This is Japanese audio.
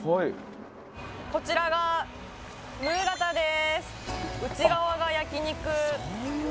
こちらがムーガタです。